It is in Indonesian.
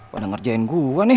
pada ngerjain gua nih